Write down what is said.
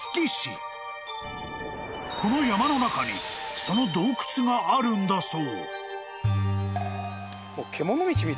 ［この山の中にその洞窟があるんだそう］